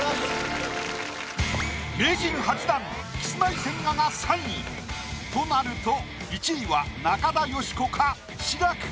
名人８段キスマイ・千賀が３位。となると１位は中田喜子か？